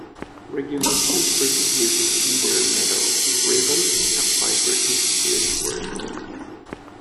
Regulations for the use of either medals or ribbons apply for each uniform.